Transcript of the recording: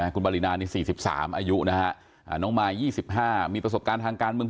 คุณปรินานี่๔๓อายุนะฮะน้องมาย๒๕มีประสบการณ์ทางการเมือง